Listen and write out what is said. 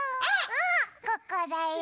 ここだよ。